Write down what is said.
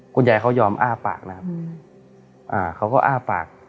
คุณยายเขายอมอ้าปากนะครับเขาก็อ้าปาก